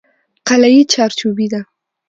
قلعه یې چارچوبي ده.